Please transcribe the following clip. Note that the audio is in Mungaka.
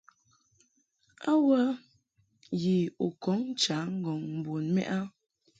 A wə yi u kɔŋ ncha ŋgɔŋ bun mɛʼ a?